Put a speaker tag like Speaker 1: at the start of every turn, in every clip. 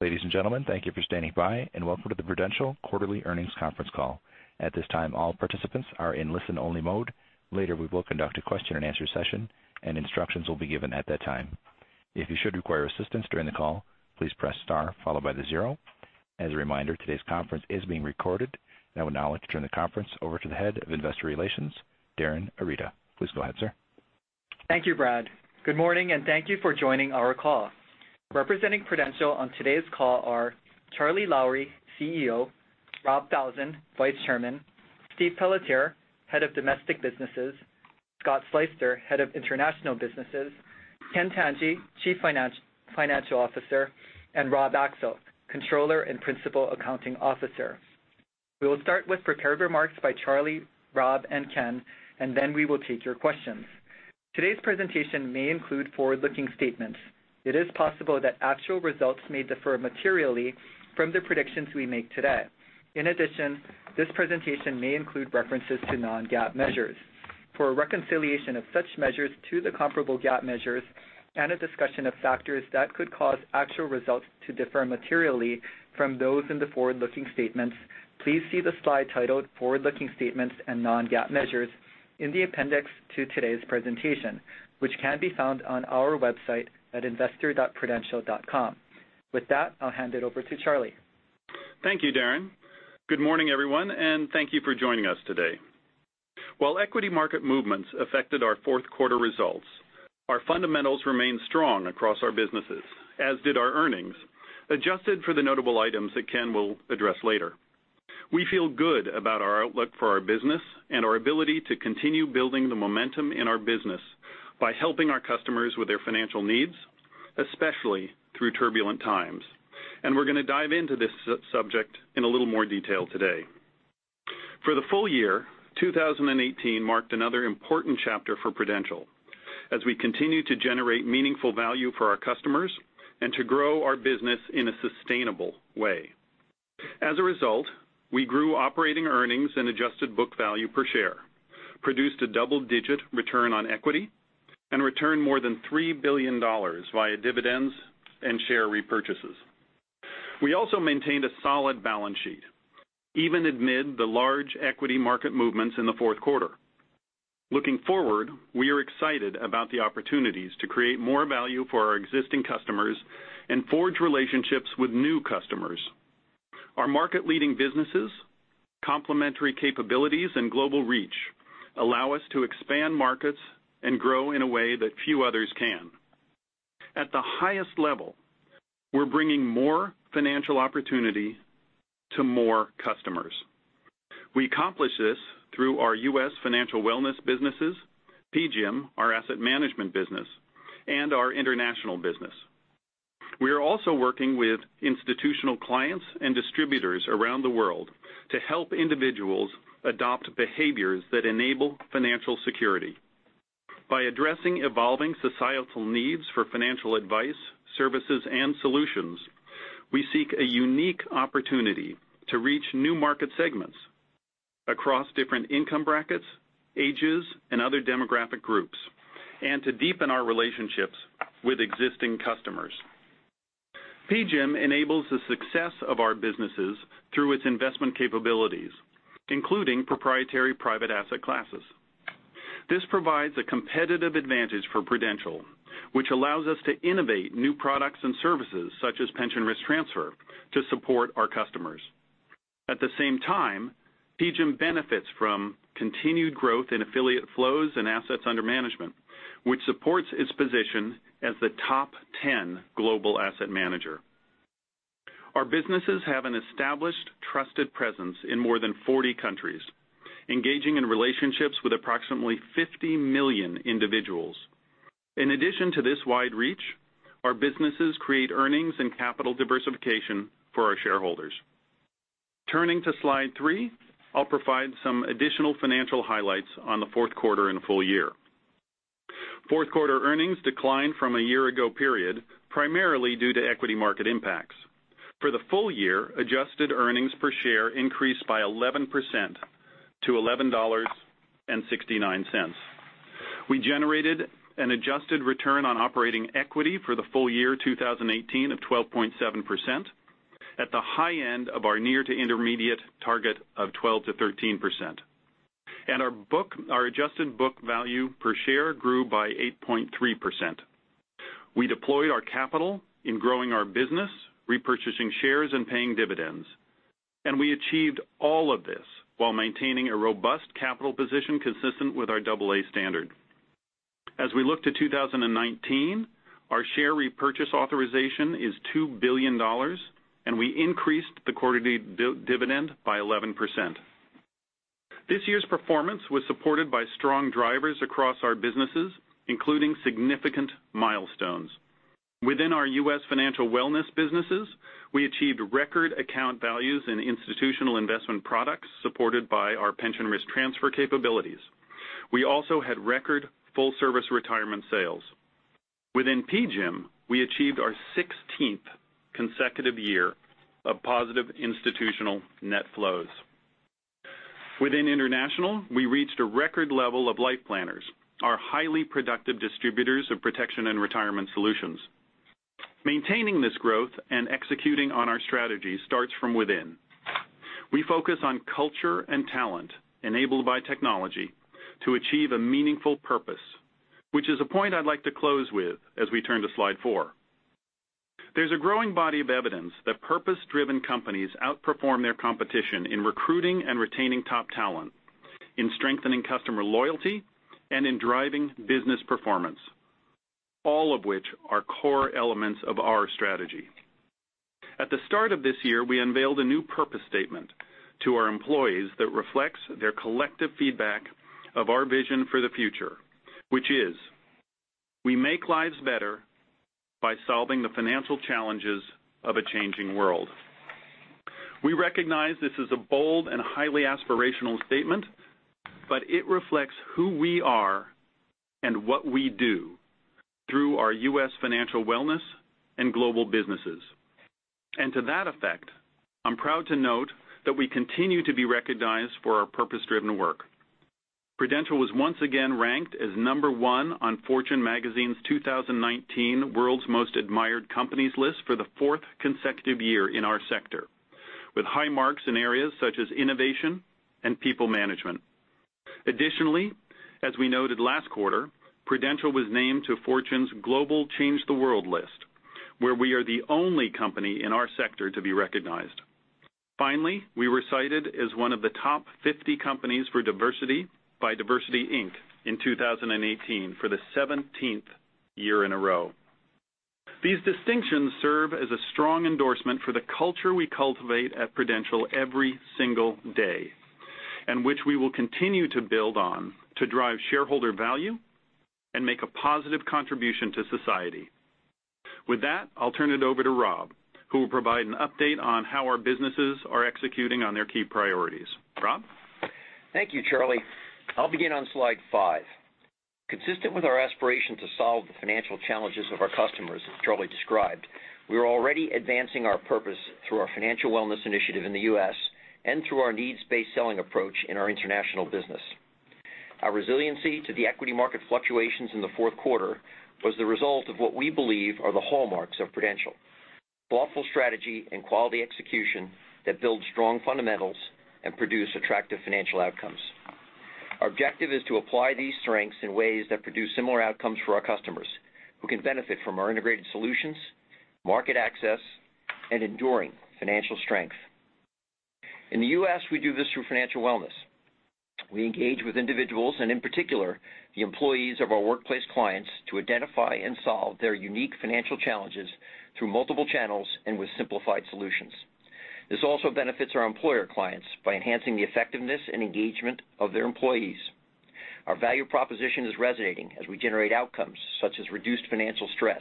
Speaker 1: Ladies and gentlemen, thank you for standing by, and welcome to the Prudential quarterly earnings conference call. At this time, all participants are in listen-only mode. Later, we will conduct a question-and-answer session, and instructions will be given at that time. If you should require assistance during the call, please press star followed by the zero. As a reminder, today's conference is being recorded. I would now like to turn the conference over to the Head of Investor Relations, Darin Arita. Please go ahead, sir.
Speaker 2: Thank you, Brad. Good morning, thank you for joining our call. Representing Prudential on today's call are Charlie Lowrey, CEO, Rob Falzon, Vice Chairman, Steve Pelletier, Head of Domestic Businesses, Scott Sleyster, Head of International Businesses, Ken Tanji, Chief Financial Officer, and Rob Axel, Controller and Principal Accounting Officer. We will start with prepared remarks by Charlie, Rob, and Ken. Then we will take your questions. Today's presentation may include forward-looking statements. It is possible that actual results may differ materially from the predictions we make today. In addition, this presentation may include references to non-GAAP measures. For a reconciliation of such measures to the comparable GAAP measures and a discussion of factors that could cause actual results to differ materially from those in the forward-looking statements, please see the slide titled "Forward-Looking Statements and Non-GAAP Measures" in the appendix to today's presentation, which can be found on our website at investor.prudential.com. With that, I'll hand it over to Charlie.
Speaker 3: Thank you, Darin. Good morning, everyone, thank you for joining us today. While equity market movements affected our fourth quarter results, our fundamentals remained strong across our businesses, as did our earnings, adjusted for the notable items that Ken will address later. We feel good about our outlook for our business and our ability to continue building the momentum in our business by helping our customers with their financial needs, especially through turbulent times. We're going to dive into this subject in a little more detail today. For the full year, 2018 marked another important chapter for Prudential as we continue to generate meaningful value for our customers and to grow our business in a sustainable way. As a result, we grew operating earnings and adjusted book value per share, produced a double-digit return on equity, and returned more than $3 billion via dividends and share repurchases. We also maintained a solid balance sheet, even amid the large equity market movements in the fourth quarter. Looking forward, we are excited about the opportunities to create more value for our existing customers and forge relationships with new customers. Our market-leading businesses, complementary capabilities, and global reach allow us to expand markets and grow in a way that few others can. At the highest level, we're bringing more financial opportunity to more customers. We accomplish this through our U.S. Financial Wellness businesses, PGIM, our asset management business, and our international business. We are also working with institutional clients and distributors around the world to help individuals adopt behaviors that enable financial security. By addressing evolving societal needs for financial advice, services, and solutions, we seek a unique opportunity to reach new market segments across different income brackets, ages, and other demographic groups, and to deepen our relationships with existing customers. PGIM enables the success of our businesses through its investment capabilities, including proprietary private asset classes. This provides a competitive advantage for Prudential, which allows us to innovate new products and services such as pension risk transfer to support our customers. At the same time, PGIM benefits from continued growth in affiliate flows and assets under management, which supports its position as the top 10 global asset manager. Our businesses have an established, trusted presence in more than 40 countries, engaging in relationships with approximately 50 million individuals. In addition to this wide reach, our businesses create earnings and capital diversification for our shareholders. Turning to slide three, I'll provide some additional financial highlights on the fourth quarter and full year. Fourth quarter earnings declined from a year-ago period, primarily due to equity market impacts. For the full year, adjusted earnings per share increased by 11% to $11.69. We generated an adjusted return on operating equity for the full year 2018 of 12.7%, at the high end of our near to intermediate target of 12%-13%. Our adjusted book value per share grew by 8.3%. We deployed our capital in growing our business, repurchasing shares, and paying dividends. We achieved all of this while maintaining a robust capital position consistent with our AA standard. As we look to 2019, our share repurchase authorization is $2 billion. We increased the quarterly dividend by 11%. This year's performance was supported by strong drivers across our businesses, including significant milestones. Within our U.S. Financial Wellness businesses, we achieved record account values in institutional investment products supported by our pension risk transfer capabilities. We also had record full-service retirement sales. Within PGIM, we achieved our 16th consecutive year of positive institutional net flows. Within international, we reached a record level of life planners, our highly productive distributors of protection and retirement solutions. Maintaining this growth and executing on our strategy starts from within. We focus on culture and talent enabled by technology to achieve a meaningful purpose, which is a point I'd like to close with as we turn to slide four. There's a growing body of evidence that purpose-driven companies outperform their competition in recruiting and retaining top talent, in strengthening customer loyalty, and in driving business performance, all of which are core elements of our strategy. At the start of this year, we unveiled a new purpose statement to our employees that reflects their collective feedback of our vision for the future, which is, "We make lives better by solving the financial challenges of a changing world." We recognize this is a bold and highly aspirational statement, but it reflects who we are and what we do through our U.S. Financial Wellness and global businesses. To that effect, I'm proud to note that we continue to be recognized for our purpose-driven work. Prudential was once again ranked as number one on Fortune magazine's 2019 World's Most Admired Companies list for the fourth consecutive year in our sector, with high marks in areas such as innovation and people management. As we noted last quarter, Prudential was named to Fortune's Global Change the World list, where we are the only company in our sector to be recognized. Finally, we were cited as one of the top 50 companies for diversity by DiversityInc in 2018 for the 17th year in a row. These distinctions serve as a strong endorsement for the culture we cultivate at Prudential every single day, which we will continue to build on to drive shareholder value and make a positive contribution to society. With that, I'll turn it over to Rob, who will provide an update on how our businesses are executing on their key priorities. Rob?
Speaker 4: Thank you, Charlie. I'll begin on slide five. Consistent with our aspiration to solve the financial challenges of our customers, as Charlie described, we are already advancing our purpose through our financial wellness initiative in the U.S. and through our needs-based selling approach in our international business. Our resiliency to the equity market fluctuations in the fourth quarter was the result of what we believe are the hallmarks of Prudential: thoughtful strategy and quality execution that build strong fundamentals and produce attractive financial outcomes. Our objective is to apply these strengths in ways that produce similar outcomes for our customers, who can benefit from our integrated solutions, market access, and enduring financial strength. In the U.S., we do this through financial wellness. We engage with individuals, and in particular, the employees of our workplace clients, to identify and solve their unique financial challenges through multiple channels and with simplified solutions. This also benefits our employer clients by enhancing the effectiveness and engagement of their employees. Our value proposition is resonating as we generate outcomes such as reduced financial stress,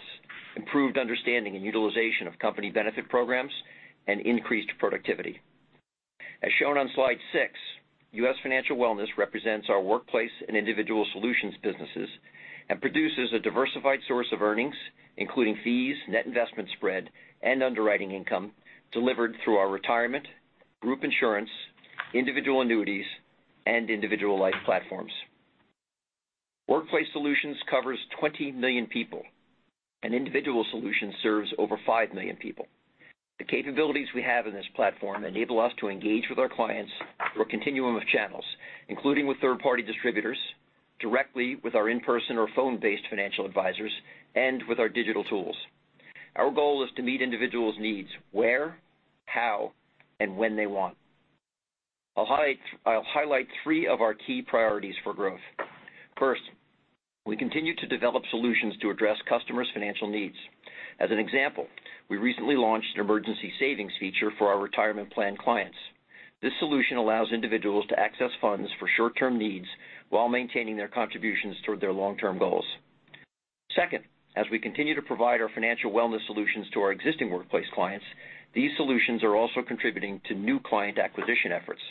Speaker 4: improved understanding and utilization of company benefit programs, and increased productivity. As shown on slide six, U.S. Financial Wellness represents our Workplace Solutions and Individual Solutions businesses and produces a diversified source of earnings, including fees, net investment spread, and underwriting income delivered through our Retirement, Group Insurance, Individual Annuities, and Individual Life platforms. Workplace Solutions covers 20 million people, and Individual Solutions serves over five million people. The capabilities we have in this platform enable us to engage with our clients through a continuum of channels, including with third-party distributors, directly with our in-person or phone-based financial advisors, and with our digital tools. Our goal is to meet individuals' needs where, how, and when they want. I'll highlight three of our key priorities for growth. First, we continue to develop solutions to address customers' financial needs. As an example, we recently launched an emergency savings feature for our retirement plan clients. This solution allows individuals to access funds for short-term needs while maintaining their contributions toward their long-term goals. Second, as we continue to provide our financial wellness solutions to our existing workplace clients, these solutions are also contributing to new client acquisition efforts.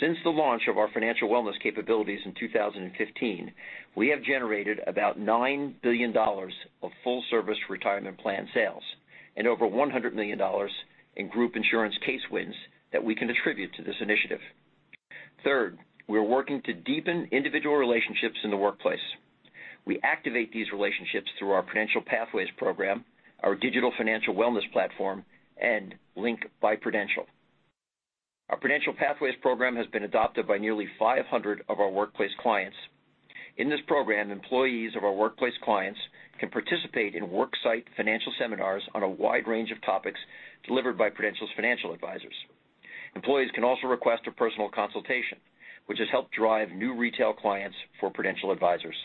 Speaker 4: Since the launch of our financial wellness capabilities in 2015, we have generated about $9 billion of full-service retirement plan sales and over $100 million in group insurance case wins that we can attribute to this initiative. Third, we are working to deepen individual relationships in the workplace. We activate these relationships through our Prudential Pathways program, our digital financial wellness platform, and LINK by Prudential. Our Prudential Pathways program has been adopted by nearly 500 of our workplace clients. In this program, employees of our workplace clients can participate in worksite financial seminars on a wide range of topics delivered by Prudential's financial advisors. Employees can also request a personal consultation, which has helped drive new retail clients for Prudential advisors.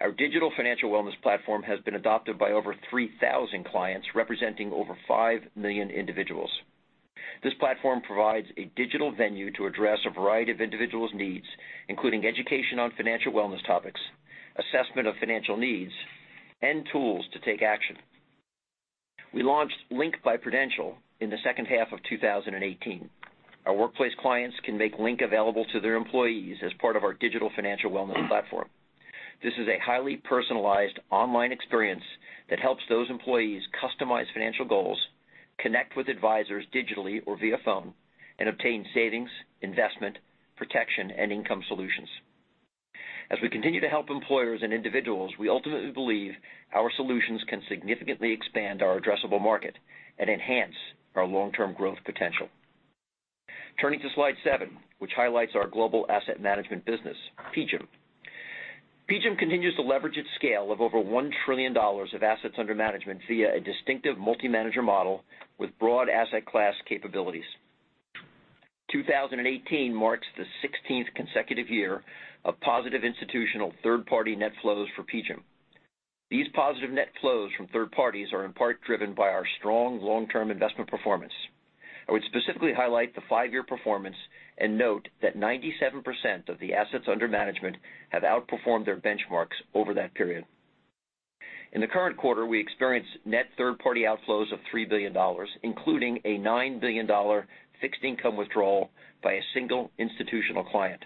Speaker 4: Our digital financial wellness platform has been adopted by over 3,000 clients, representing over 5 million individuals. This platform provides a digital venue to address a variety of individuals' needs, including education on financial wellness topics, assessment of financial needs, and tools to take action. We launched LINK by Prudential in the second half of 2018. Our workplace clients can make LINK available to their employees as part of our digital financial wellness platform. This is a highly personalized online experience that helps those employees customize financial goals, connect with advisors digitally or via phone, and obtain savings, investment, protection, and income solutions. As we continue to help employers and individuals, we ultimately believe our solutions can significantly expand our addressable market and enhance our long-term growth potential. Turning to slide seven, which highlights our global asset management business, PGIM. PGIM continues to leverage its scale of over $1 trillion of assets under management via a distinctive multi-manager model with broad asset class capabilities. 2018 marks the 16th consecutive year of positive institutional third-party net flows for PGIM. These positive net flows from third parties are in part driven by our strong long-term investment performance. I would specifically highlight the five-year performance and note that 97% of the assets under management have outperformed their benchmarks over that period. In the current quarter, we experienced net third-party outflows of $3 billion, including a $9 billion fixed income withdrawal by a single institutional client.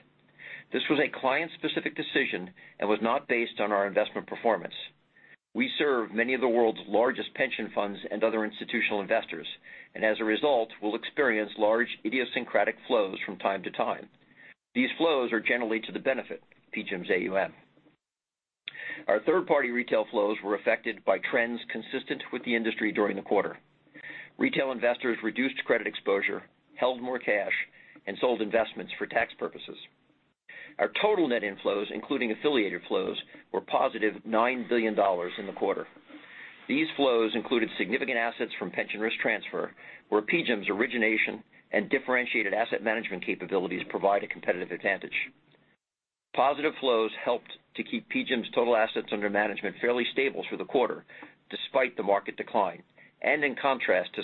Speaker 4: This was a client-specific decision and was not based on our investment performance. We serve many of the world's largest pension funds and other institutional investors. As a result, will experience large idiosyncratic flows from time to time. These flows are generally to the benefit of PGIM's AUM. Our third-party retail flows were affected by trends consistent with the industry during the quarter. Retail investors reduced credit exposure, held more cash, and sold investments for tax purposes. Our total net inflows, including affiliated flows, were positive $9 billion in the quarter. These flows included significant assets from pension risk transfer, where PGIM's origination and differentiated asset management capabilities provide a competitive advantage. Positive flows helped to keep PGIM's total assets under management fairly stable through the quarter, despite the market decline, in contrast to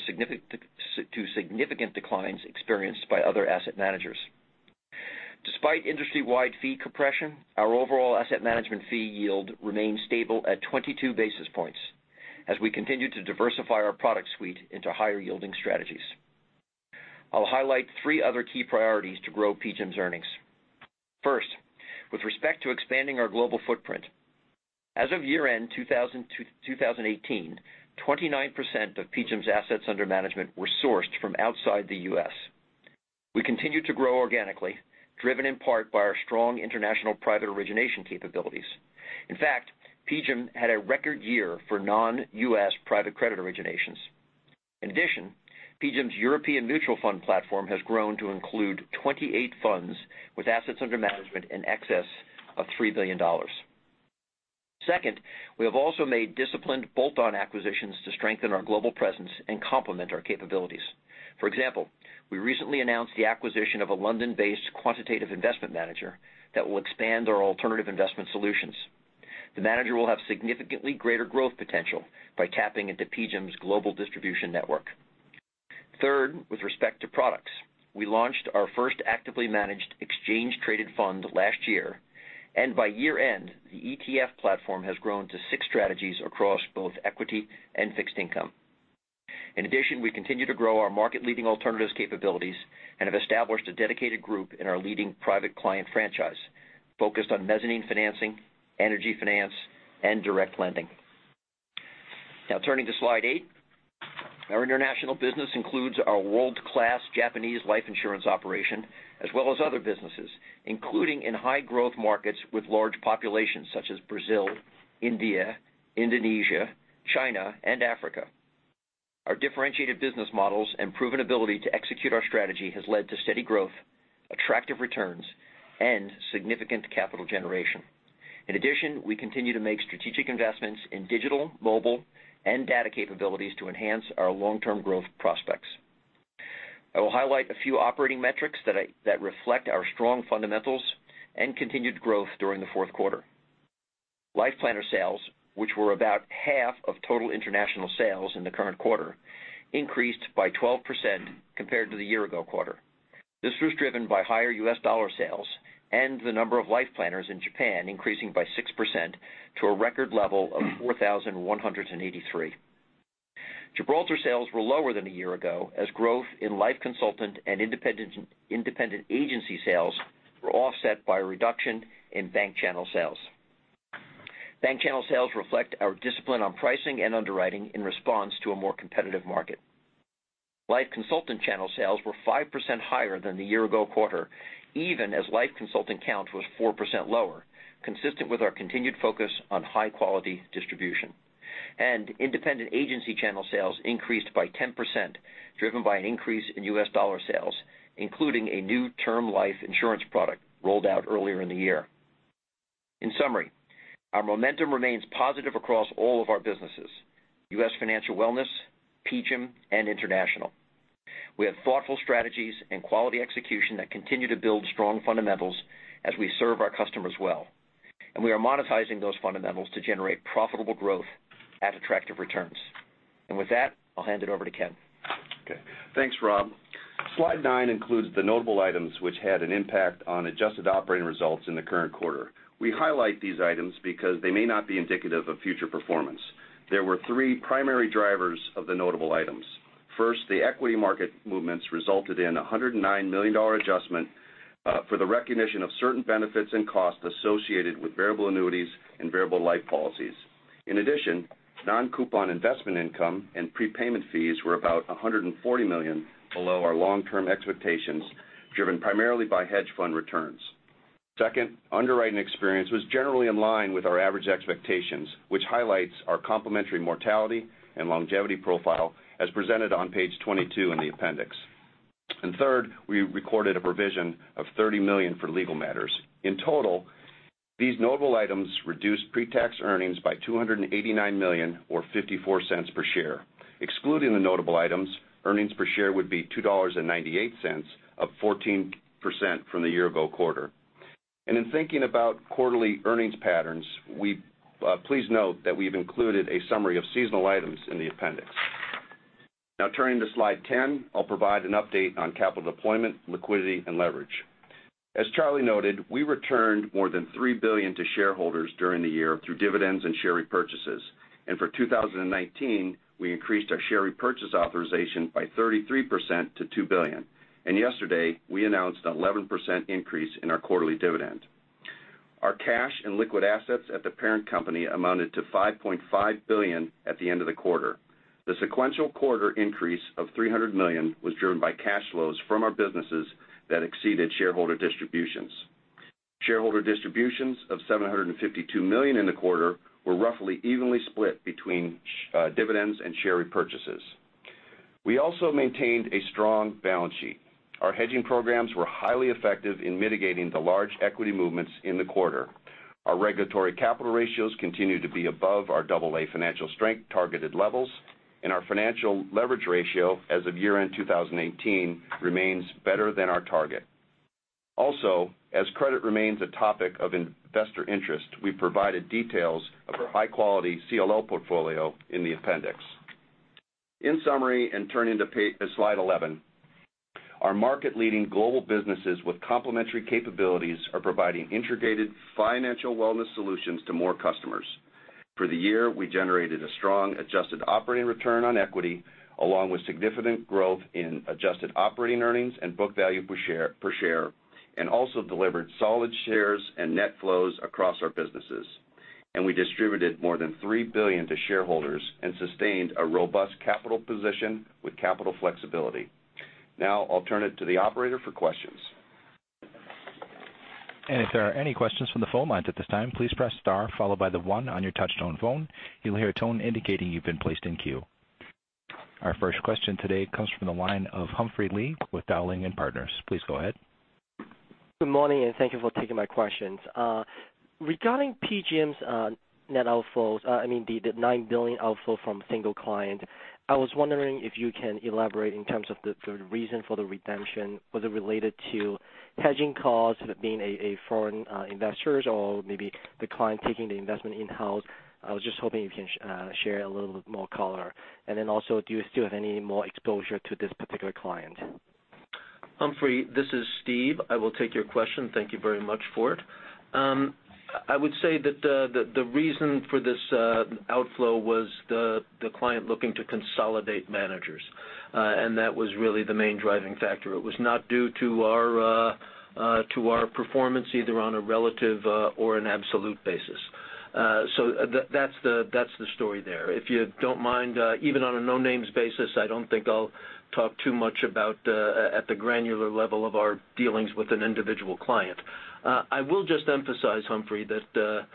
Speaker 4: significant declines experienced by other asset managers. Despite industry-wide fee compression, our overall asset management fee yield remains stable at 22 basis points as we continue to diversify our product suite into higher-yielding strategies. I'll highlight three other key priorities to grow PGIM's earnings. First, with respect to expanding our global footprint, as of year-end 2018, 29% of PGIM's assets under management were sourced from outside the U.S. We continue to grow organically, driven in part by our strong international private origination capabilities. In fact, PGIM had a record year for non-U.S. private credit originations. In addition, PGIM's European mutual fund platform has grown to include 28 funds with assets under management in excess of $3 billion. Second, we have also made disciplined bolt-on acquisitions to strengthen our global presence and complement our capabilities. For example, we recently announced the acquisition of a London-based quantitative investment manager that will expand our alternative investment solutions. The manager will have significantly greater growth potential by tapping into PGIM's global distribution network. Third, with respect to products, we launched our first actively managed exchange-traded fund last year, by year-end, the ETF platform has grown to six strategies across both equity and fixed income. In addition, we continue to grow our market-leading alternatives capabilities and have established a dedicated group in our leading private client franchise focused on mezzanine financing, energy finance, and direct lending. Now turning to slide eight. Our International business includes our world-class Japanese life insurance operation as well as other businesses, including in high-growth markets with large populations such as Brazil, India, Indonesia, China, and Africa. Our differentiated business models and proven ability to execute our strategy has led to steady growth, attractive returns, and significant capital generation. In addition, we continue to make strategic investments in digital, mobile, and data capabilities to enhance our long-term growth prospects. I will highlight a few operating metrics that reflect our strong fundamentals and continued growth during the fourth quarter. Life planner sales, which were about half of total international sales in the current quarter, increased by 12% compared to the year-ago quarter. This was driven by higher U.S. dollar sales and the number of life planners in Japan increasing by 6% to a record level of 4,183. Gibraltar sales were lower than a year ago, as growth in life consultant and independent agency sales were offset by a reduction in bank channel sales. Bank channel sales reflect our discipline on pricing and underwriting in response to a more competitive market. Life consultant channel sales were 5% higher than the year-ago quarter, even as life consultant count was 4% lower, consistent with our continued focus on high-quality distribution. Independent agency channel sales increased by 10%, driven by an increase in U.S. dollar sales, including a new term life insurance product rolled out earlier in the year. In summary, our momentum remains positive across all of our businesses, U.S. Financial Wellness, PGIM, and International. We have thoughtful strategies and quality execution that continue to build strong fundamentals as we serve our customers well. We are monetizing those fundamentals to generate profitable growth at attractive returns. With that, I'll hand it over to Ken.
Speaker 5: Okay. Thanks, Rob. Slide nine includes the notable items which had an impact on adjusted operating results in the current quarter. We highlight these items because they may not be indicative of future performance. There were three primary drivers of the notable items. First, the equity market movements resulted in a $109 million adjustment for the recognition of certain benefits and costs associated with variable annuities and variable life policies. In addition, non-coupon investment income and prepayment fees were about $140 million below our long-term expectations, driven primarily by hedge fund returns. Second, underwriting experience was generally in line with our average expectations, which highlights our complementary mortality and longevity profile as presented on page 22 in the appendix. Third, we recorded a provision of $30 million for legal matters. In total, these notable items reduced pre-tax earnings by $289 million or $0.54 per share. Excluding the notable items, earnings per share would be $2.98, up 14% from the year ago quarter. In thinking about quarterly earnings patterns, please note that we've included a summary of seasonal items in the appendix. Now turning to slide 10, I'll provide an update on capital deployment, liquidity, and leverage. As Charlie noted, we returned more than $3 billion to shareholders during the year through dividends and share repurchases. For 2019, we increased our share repurchase authorization by 33% to $2 billion. Yesterday, we announced an 11% increase in our quarterly dividend. Our cash and liquid assets at the parent company amounted to $5.5 billion at the end of the quarter. The sequential quarter increase of $300 million was driven by cash flows from our businesses that exceeded shareholder distributions. Shareholder distributions of $752 million in the quarter were roughly evenly split between dividends and share repurchases. We also maintained a strong balance sheet. Our hedging programs were highly effective in mitigating the large equity movements in the quarter. Our regulatory capital ratios continue to be above our AA financial strength targeted levels, and our financial leverage ratio as of year-end 2018 remains better than our target. Also, as credit remains a topic of investor interest, we provided details of our high-quality CLO portfolio in the appendix. In summary, turning to slide 11, our market-leading global businesses with complementary capabilities are providing integrated financial wellness solutions to more customers. For the year, we generated a strong adjusted operating return on equity, along with significant growth in adjusted operating earnings and book value per share, also delivered solid shares and net flows across our businesses. We distributed more than $3 billion to shareholders and sustained a robust capital position with capital flexibility. Now I'll turn it to the operator for questions.
Speaker 1: If there are any questions from the phone lines at this time, please press star followed by 1 on your touchtone phone. You'll hear a tone indicating you've been placed in queue. Our first question today comes from the line of Humphrey Lee with Dowling & Partners. Please go ahead.
Speaker 6: Good morning, thank you for taking my questions. Regarding PGIM's net outflows, I mean the $9 billion outflow from a single client, I was wondering if you can elaborate in terms of the reason for the redemption. Was it related to hedging costs being a foreign investor or maybe the client taking the investment in-house? I was just hoping you can share a little bit more color. Also, do you still have any more exposure to this particular client?
Speaker 7: Humphrey, this is Steve. I will take your question. Thank you very much for it. I would say that the reason for this outflow was the client looking to consolidate managers, and that was really the main driving factor. It was not due to our performance either on a relative or an absolute basis. That's the story there. If you don't mind, even on a no-names basis, I don't think I'll talk too much about at the granular level of our dealings with an individual client. I will just emphasize, Humphrey, that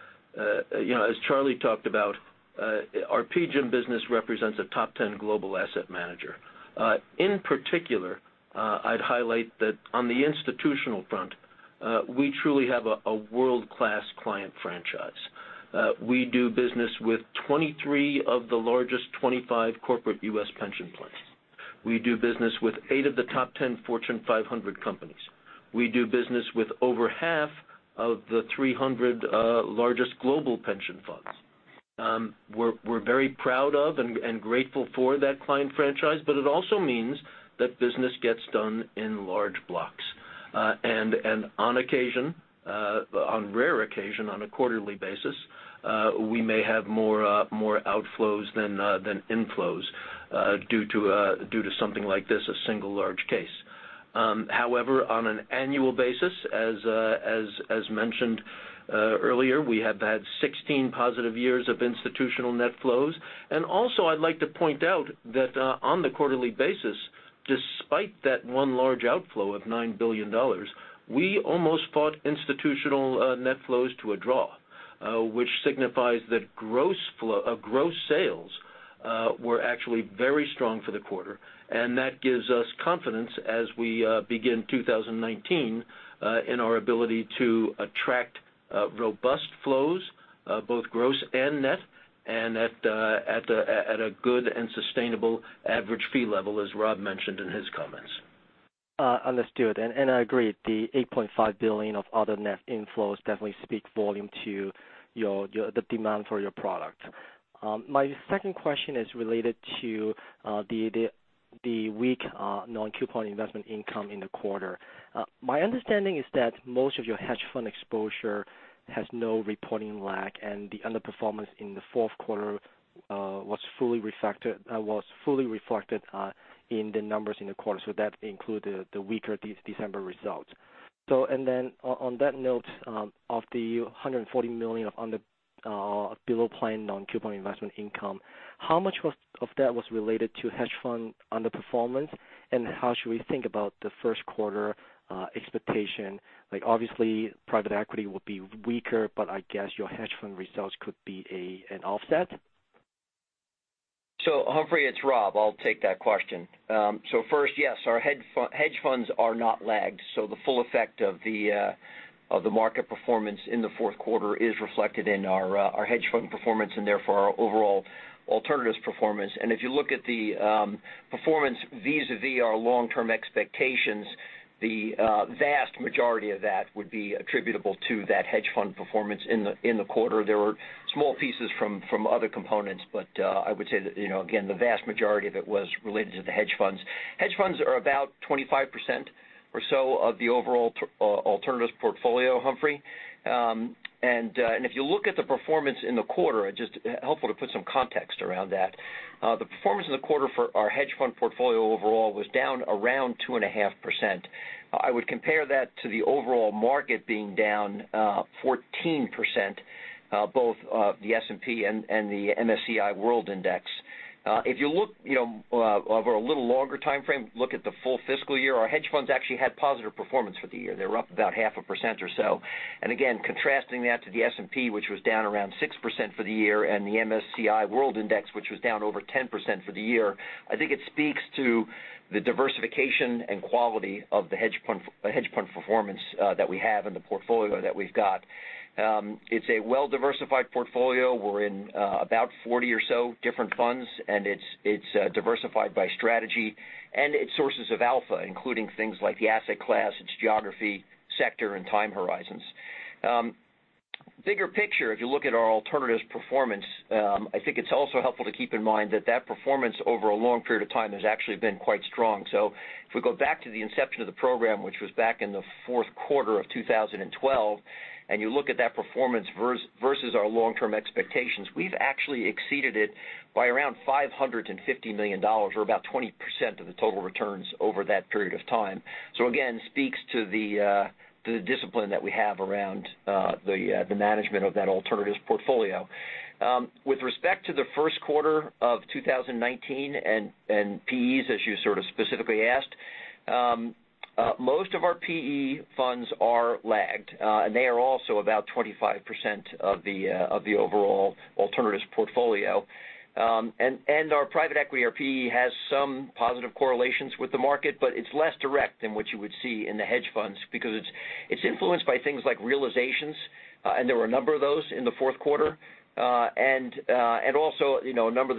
Speaker 7: as Charlie talked about, our PGIM business represents a top 10 global asset manager. In particular, I'd highlight that on the institutional front, we truly have a world-class client franchise. We do business with 23 of the largest 25 corporate U.S. pension plans. We do business with eight of the top 10 Fortune 500 companies. We do business with over half of the 300 largest global pension funds. We're very proud of and grateful for that client franchise, but it also means that business gets done in large blocks. On occasion, on rare occasion, on a quarterly basis, we may have more outflows than inflows due to something like this, a single large case. However, on an annual basis, as mentioned earlier, we have had 16 positive years of institutional net flows. Also, I'd like to point out that on the quarterly basis, despite that one large outflow of $9 billion, we almost fought institutional net flows to a draw which signifies that gross sales were actually very strong for the quarter. That gives us confidence as we begin 2019 in our ability to attract robust flows, both gross and net, at a good and sustainable average fee level, as Rob mentioned in his comments.
Speaker 6: Understood, and I agree. The $8.5 billion of other net inflows definitely speak volumes to the demand for your product. My second question is related to the weak non-coupon investment income in the quarter. My understanding is that most of your hedge fund exposure has no reporting lag, and the underperformance in the fourth quarter was fully reflected in the numbers in the quarter, so that included the weaker December results. On that note, of the $140 million below plan non-coupon investment income, how much of that was related to hedge fund underperformance? How should we think about the first quarter expectation? Obviously, private equity will be weaker, but I guess your hedge fund results could be an offset.
Speaker 4: Humphrey, it's Rob. I'll take that question. First, yes, our hedge funds are not lagged, so the full effect of the market performance in the fourth quarter is reflected in our hedge fund performance and therefore our overall alternatives performance. If you look at the performance vis-a-vis our long-term expectations, the vast majority of that would be attributable to that hedge fund performance in the quarter. There were small pieces from other components, but I would say that, again, the vast majority of it was related to the hedge funds. Hedge funds are about 25% or so of the overall alternatives portfolio, Humphrey. If you look at the performance in the quarter, just helpful to put some context around that. The performance in the quarter for our hedge fund portfolio overall was down around 2.5%. I would compare that to the overall market being down 14%, both the S&P and the MSCI World Index. If you look over a little longer timeframe, look at the full fiscal year, our hedge funds actually had positive performance for the year. They were up about half a percent or so. Again, contrasting that to the S&P, which was down around 6% for the year, and the MSCI World Index, which was down over 10% for the year, I think it speaks to the diversification and quality of the hedge fund performance that we have in the portfolio that we've got. It's a well-diversified portfolio. We're in about 40 or so different funds, and it's diversified by strategy. Its sources of alpha, including things like the asset class, its geography, sector, and time horizons. Bigger picture, if you look at our alternatives performance, I think it's also helpful to keep in mind that that performance over a long period of time has actually been quite strong. If we go back to the inception of the program, which was back in the fourth quarter of 2012, and you look at that performance versus our long-term expectations, we've actually exceeded it by around $550 million, or about 20% of the total returns over that period of time. Again, speaks to the discipline that we have around the management of that alternatives portfolio. With respect to the first quarter of 2019 and PEs, as you sort of specifically asked, most of our PE funds are lagged, and they are also about 25% of the overall alternatives portfolio. Our private equity or PE has some positive correlations with the market, but it's less direct than what you would see in the hedge funds because it's influenced by things like realizations, and there were a number of those in the fourth quarter. Also, a number of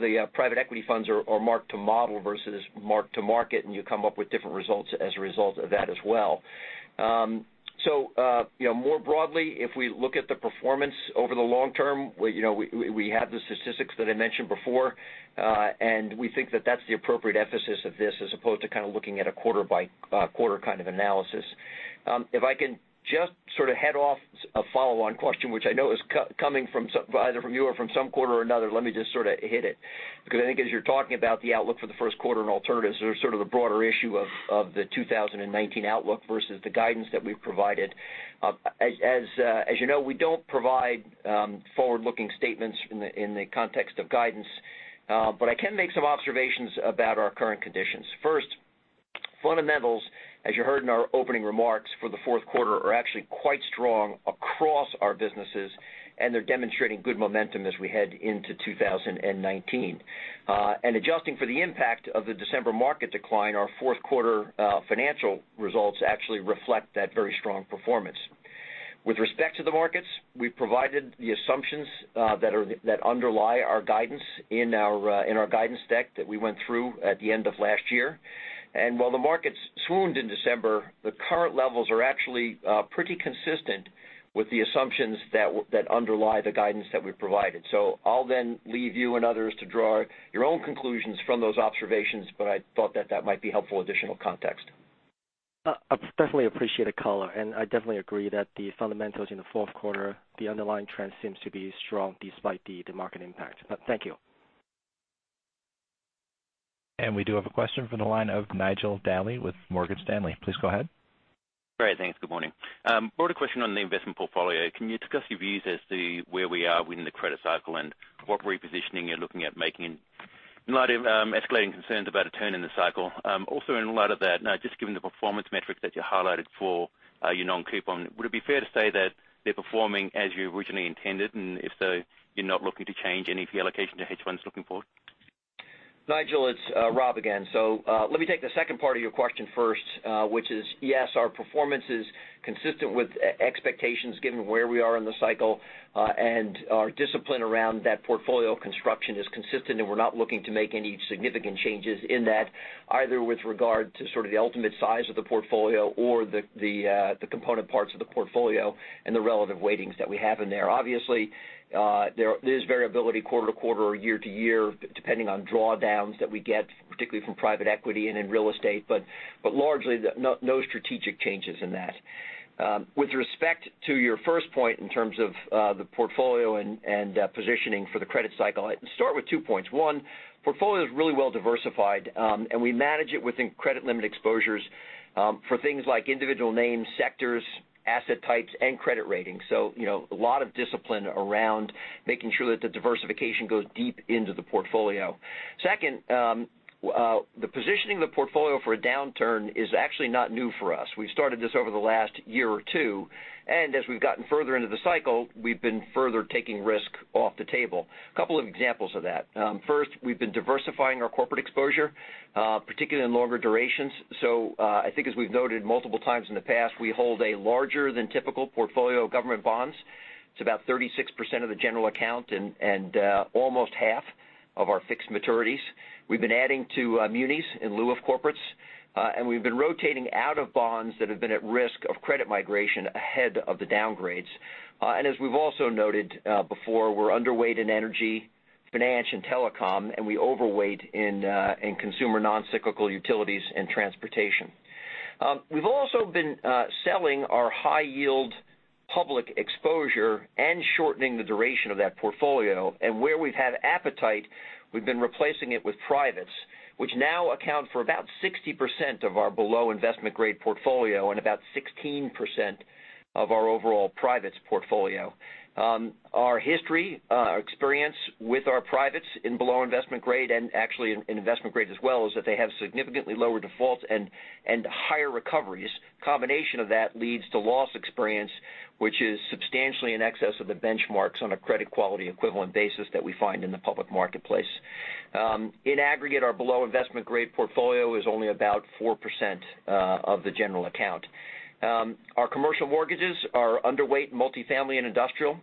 Speaker 4: the private equity funds are mark-to-model versus mark-to-market, and you come up with different results as a result of that as well. More broadly, if we look at the performance over the long term, we have the statistics that I mentioned before, and we think that that's the appropriate emphasis of this as opposed to kind of looking at a quarter-by-quarter kind of analysis. If I can just sort of head off a follow-on question, which I know is coming either from you or from some quarter or another, let me just sort of hit it because I think as you're talking about the outlook for the first quarter and alternatives, there's sort of the broader issue of the 2019 outlook versus the guidance that we've provided. As you know, we don't provide forward-looking statements in the context of guidance. I can make some observations about our current conditions. First, fundamentals, as you heard in our opening remarks for the fourth quarter, are actually quite strong across our businesses, and they're demonstrating good momentum as we head into 2019. Adjusting for the impact of the December market decline, our fourth quarter financial results actually reflect that very strong performance. With respect to the markets, we've provided the assumptions that underlie our guidance in our guidance deck that we went through at the end of last year. While the markets swooned in December, the current levels are actually pretty consistent with the assumptions that underlie the guidance that we've provided. I'll then leave you and others to draw your own conclusions from those observations, but I thought that that might be helpful additional context.
Speaker 6: I definitely appreciate the color, I definitely agree that the fundamentals in the fourth quarter, the underlying trend seems to be strong despite the market impact. Thank you.
Speaker 1: We do have a question from the line of Nigel Dally with Morgan Stanley. Please go ahead.
Speaker 8: Great. Thanks. Good morning. Broader question on the investment portfolio. Can you discuss your views as to where we are within the credit cycle and what repositioning you're looking at making in light of escalating concerns about a turn in the cycle? Also in light of that, just given the performance metrics that you highlighted for your non-coupon, would it be fair to say that they're performing as you originally intended, and if so, you're not looking to change any of the allocation to hedge funds looking forward?
Speaker 4: Nigel, it's Rob again. Let me take the second part of your question first, which is, yes, our performance is consistent with expectations given where we are in the cycle, our discipline around that portfolio construction is consistent, we're not looking to make any significant changes in that, either with regard to sort of the ultimate size of the portfolio or the component parts of the portfolio and the relative weightings that we have in there. Obviously, there's variability quarter to quarter or year to year depending on drawdowns that we get, particularly from private equity and in real estate. Largely, no strategic changes in that. With respect to your first point in terms of the portfolio and positioning for the credit cycle, I'd start with two points. One, portfolio is really well diversified, and we manage it within credit limit exposures for things like individual names, sectors, asset types, and credit ratings. A lot of discipline around making sure that the diversification goes deep into the portfolio. Second, the positioning of the portfolio for a downturn is actually not new for us. We've started this over the last year or two, and as we've gotten further into the cycle, we've been further taking risk off the table. A couple of examples of that. First, we've been diversifying our corporate exposure, particularly in longer durations. I think as we've noted multiple times in the past, we hold a larger than typical portfolio of government bonds. It's about 36% of the general account and almost half of our fixed maturities. We've been adding to munis in lieu of corporates, and we've been rotating out of bonds that have been at risk of credit migration ahead of the downgrades. As we've also noted before, we're underweight in energy, financial, and telecom, and we overweight in consumer non-cyclical utilities and transportation. We've also been selling our high yield public exposure and shortening the duration of that portfolio. Where we've had appetite, we've been replacing it with privates, which now account for about 60% of our below-investment grade portfolio and about 16% of our overall privates portfolio. Our history, our experience with our privates in below investment grade and actually in investment grade as well, is that they have significantly lower defaults and higher recoveries. Combination of that leads to loss experience, which is substantially in excess of the benchmarks on a credit quality equivalent basis that we find in the public marketplace. In aggregate, our below investment grade portfolio is only about 4% of the general account. Our commercial mortgages are overweight in multifamily and industrial,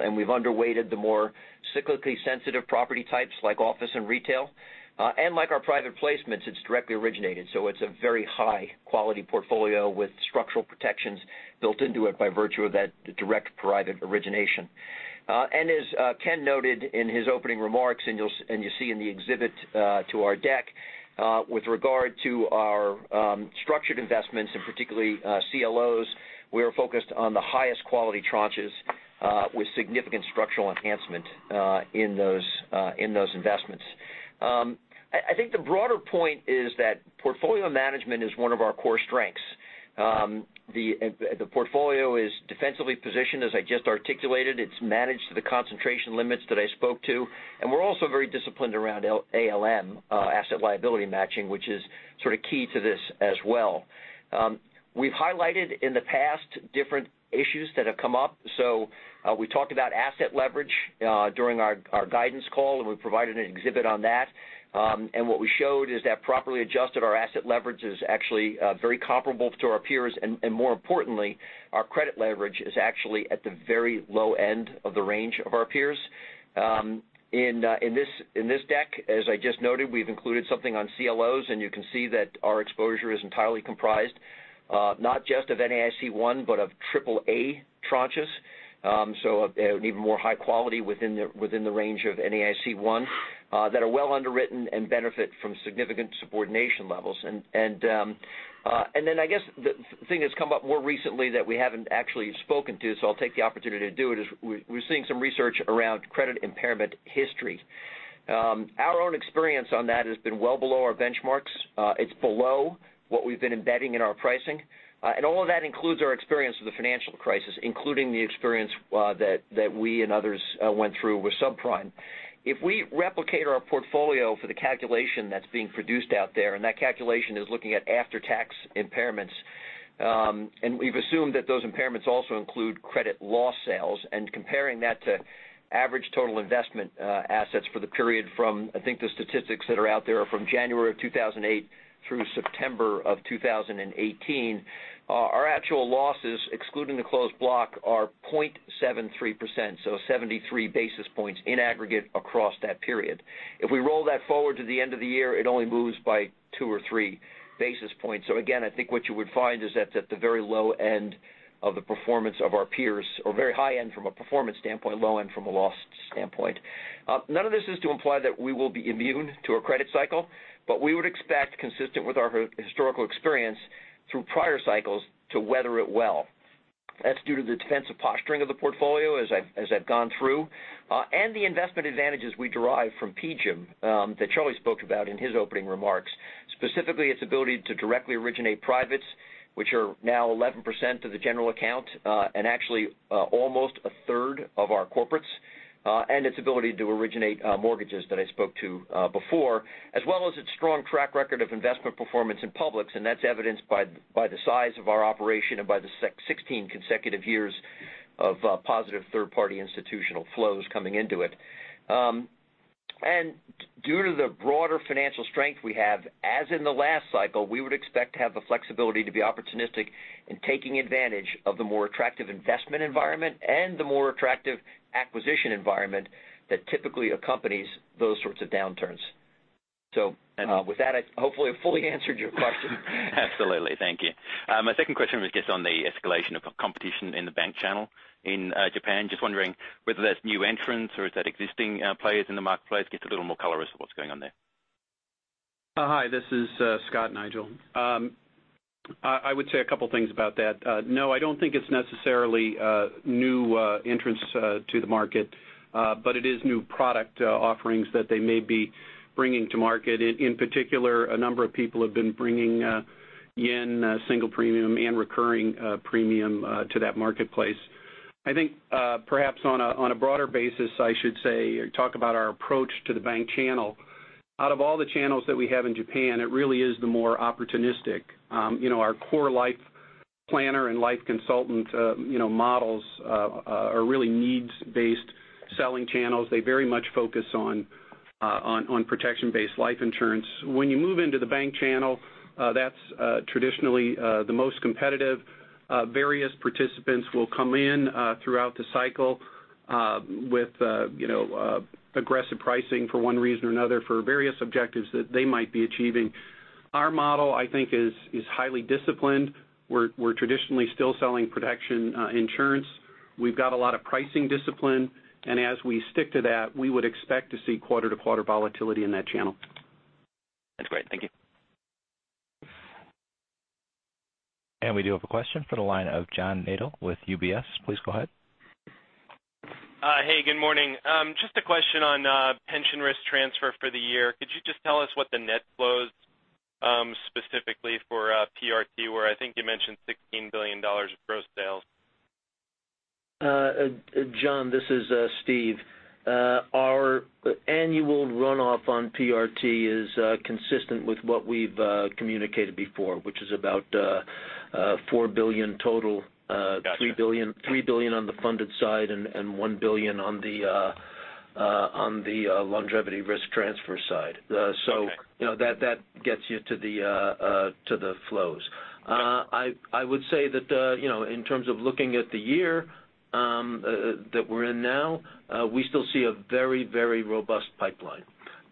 Speaker 4: and we've underweighted the more cyclically sensitive property types like office and retail. Like our private placements, it's directly originated, so it's a very high-quality portfolio with structural protections built into it by virtue of that direct private origination. As Ken noted in his opening remarks, and you see in the exhibit to our deck, with regard to our structured investments and particularly CLOs, we are focused on the highest quality tranches, with significant structural enhancement in those investments. I think the broader point is that portfolio management is one of our core strengths. The portfolio is defensively positioned, as I just articulated. It's managed to the concentration limits that I spoke to. We're also very disciplined around ALM, asset liability matching, which is sort of key to this as well. We've highlighted in the past different issues that have come up. We talked about asset leverage during our guidance call, and we provided an exhibit on that. What we showed is that properly adjusted, our asset leverage is actually very comparable to our peers. More importantly, our credit leverage is actually at the very low end of the range of our peers. In this deck, as I just noted, we've included something on CLOs. You can see that our exposure is entirely comprised not just of NAIC-1, but of triple A tranches. Even more high quality within the range of NAIC-1 that are well underwritten and benefit from significant subordination levels. I guess the thing that's come up more recently that we haven't actually spoken to, so I'll take the opportunity to do it, is we're seeing some research around credit impairment history. Our own experience on that has been well below our benchmarks. It's below what we've been embedding in our pricing. All of that includes our experience with the financial crisis, including the experience that we and others went through with subprime. If we replicate our portfolio for the calculation that's being produced out there, and that calculation is looking at after-tax impairments, and we've assumed that those impairments also include credit loss sales, and comparing that to average total investment assets for the period from, I think the statistics that are out there are from January 2008 through September 2018. Our actual losses, excluding the closed block, are 0.73%, so 73 basis points in aggregate across that period. If we roll that forward to the end of the year, it only moves by two or three basis points. Again, I think what you would find is that's at the very low end of the performance of our peers, or very high end from a performance standpoint, low end from a loss standpoint. None of this is to imply that we will be immune to a credit cycle, but we would expect, consistent with our historical experience through prior cycles, to weather it well. That's due to the defensive posturing of the portfolio, as I've gone through, and the investment advantages we derive from PGIM that Charlie spoke about in his opening remarks. Specifically, its ability to directly originate privates, which are now 11% of the general account, and actually almost a third of our corporates, and its ability to originate mortgages that I spoke to before. As well as its strong track record of investment performance in publics, and that's evidenced by the size of our operation and by the 16 consecutive years of positive third-party institutional flows coming into it. Due to the broader financial strength we have, as in the last cycle, we would expect to have the flexibility to be opportunistic in taking advantage of the more attractive investment environment and the more attractive acquisition environment that typically accompanies those sorts of downturns. With that, I hopefully have fully answered your question.
Speaker 8: Absolutely. Thank you. My second question was just on the escalation of competition in the bank channel in Japan. Just wondering whether that's new entrants or is that existing players in the marketplace? Just a little more color as to what's going on there.
Speaker 9: Hi, this is Scott Sleyster. I would say a couple of things about that. I don't think it's necessarily new entrants to the market, but it is new product offerings that they may be bringing to market. In particular, a number of people have been bringing JPY single premium and recurring premium to that marketplace. Perhaps on a broader basis, I should talk about our approach to the bank channel. Out of all the channels that we have in Japan, it really is the more opportunistic. Our core life planner and life consultant models are really needs-based selling channels. They very much focus on protection-based life insurance. When you move into the bank channel, that's traditionally the most competitive. Various participants will come in throughout the cycle with aggressive pricing for one reason or another, for various objectives that they might be achieving. Our model is highly disciplined. We're traditionally still selling protection insurance. We've got a lot of pricing discipline, and as we stick to that, we would expect to see quarter-to-quarter volatility in that channel.
Speaker 8: That's great. Thank you.
Speaker 1: We do have a question for the line of John Nadel with UBS. Please go ahead.
Speaker 10: Hey, good morning. Just a question on pension risk transfer for the year. Could you just tell us what the net flows specifically for PRT were? I think you mentioned $16 billion of gross sales.
Speaker 7: John, this is Steve. Our annual runoff on PRT is consistent with what we've communicated before, which is about $4 billion total.
Speaker 10: Got you.
Speaker 7: $3 billion on the funded side and $1 billion on the longevity risk transfer side.
Speaker 10: Okay.
Speaker 7: That gets you to the flows. I would say that in terms of looking at the year that we're in now, we still see a very robust pipeline.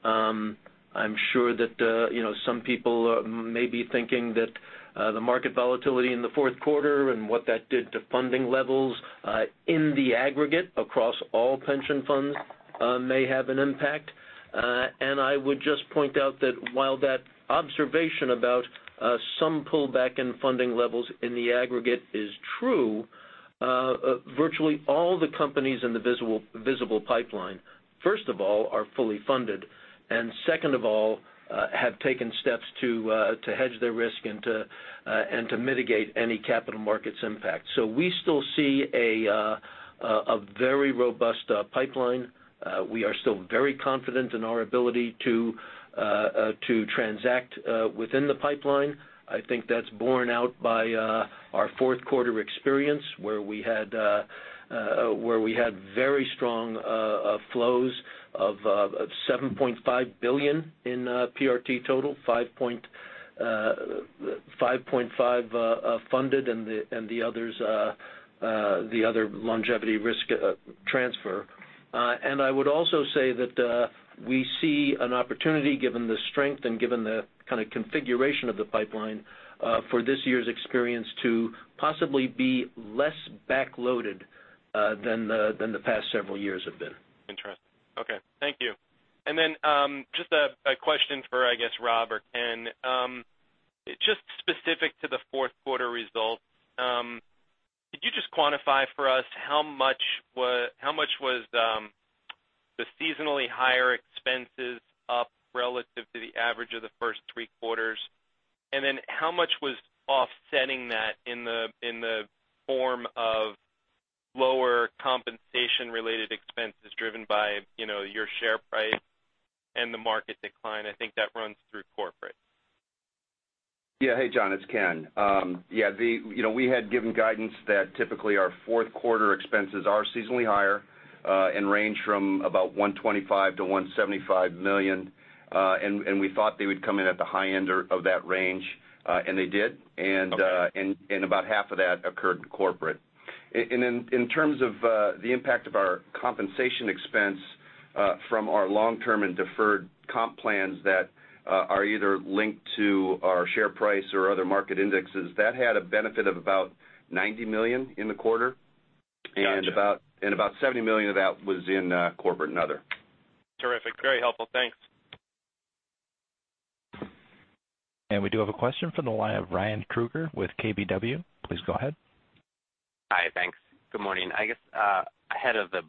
Speaker 7: I'm sure that some people may be thinking that the market volatility in the fourth quarter and what that did to funding levels in the aggregate across all pension funds may have an impact. I would just point out that while that observation about some pullback in funding levels in the aggregate is true, virtually all the companies in the visible pipeline, first of all, are fully funded, and second of all, have taken steps to hedge their risk and to mitigate any capital markets impact. We still see a very robust pipeline. We are still very confident in our ability to transact within the pipeline. I think that's borne out by our fourth quarter experience, where we had very strong flows of $7.5 billion in PRT total, $5.5 billion funded, and the other longevity risk transfer. I would also say that we see an opportunity, given the strength and given the kind of configuration of the pipeline, for this year's experience to possibly be less back-loaded than the past several years have been.
Speaker 10: Interesting. Okay. Thank you. Then just a question for, I guess, Rob or Ken. Just specific to the fourth quarter results, could you just quantify for us how much was the seasonally higher expenses up relative to the average of the first three quarters? Then how much was offsetting that in the form of lower compensation-related expenses driven by your share price and the market decline? I think that runs through corporate.
Speaker 5: Yeah. Hey, John, it's Ken. We had given guidance that typically our fourth quarter expenses are seasonally higher and range from about $125 million-$175 million, and we thought they would come in at the high end of that range, and they did.
Speaker 10: Okay.
Speaker 5: About half of that occurred in corporate. In terms of the impact of our compensation expense from our long-term and deferred comp plans that are either linked to our share price or other market indexes, that had a benefit of about $90 million in the quarter.
Speaker 10: Gotcha.
Speaker 5: About $70 million of that was in corporate and other.
Speaker 10: Terrific. Very helpful. Thanks.
Speaker 1: We do have a question from the line of Ryan Krueger with KBW. Please go ahead.
Speaker 11: Hi. Thanks. Good morning. I guess ahead of the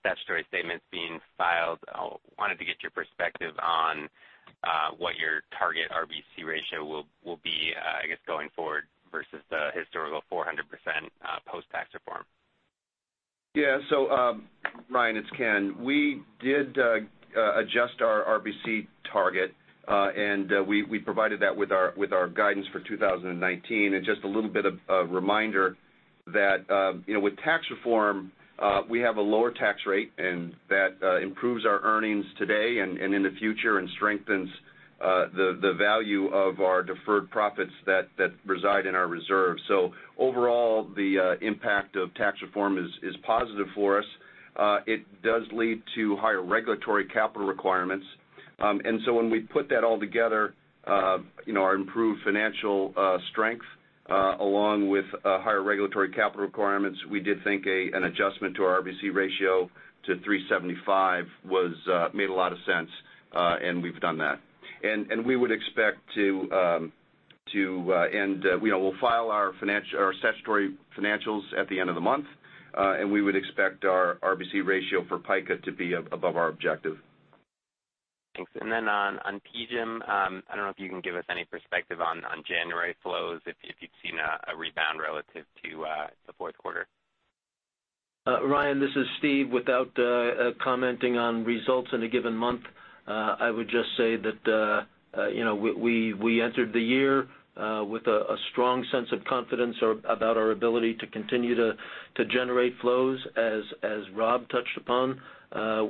Speaker 11: statutory statements being filed, I wanted to get your perspective on what your target RBC ratio will be, I guess, going forward versus the historical 400% post-tax reform.
Speaker 5: Ryan, it's Ken. We did adjust our RBC target, and we provided that with our guidance for 2019. Just a little bit of a reminder that with tax reform, we have a lower tax rate, and that improves our earnings today and in the future and strengthens the value of our deferred profits that reside in our reserve. Overall, the impact of tax reform is positive for us. It does lead to higher regulatory capital requirements. When we put that all together, our improved financial strength, along with higher regulatory capital requirements, we did think an adjustment to our RBC ratio to 375% made a lot of sense, and we've done that. We will file our statutory financials at the end of the month, and we would expect our RBC ratio for PICA to be above our objective.
Speaker 11: Thanks. Then on PGIM, I don't know if you can give us any perspective on January flows, if you've seen a rebound relative to the fourth quarter.
Speaker 7: Ryan, this is Steve. Without commenting on results in a given month, I would just say that we entered the year with a strong sense of confidence about our ability to continue to generate flows. As Rob touched upon,